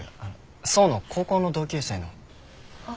想の高校の同級生の。